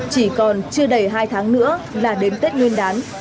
chỉ còn chưa đầy hai tháng nữa là đến tết nguyên đán